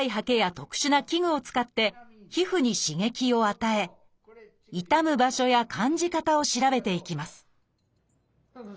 特殊な器具を使って皮膚に刺激を与え痛む場所や感じ方を調べていきます